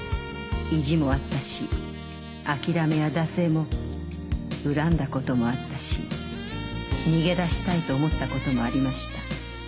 意地もあったし諦めや惰性も恨んだこともあったし逃げ出したいと思ったこともありました。